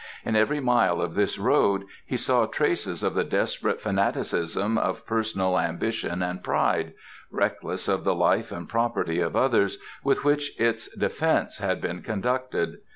In every mile of this road he saw traces of the desperate fanaticism of personal ambition and pride, reckless of the life and property of others, with which its defence had been conducted.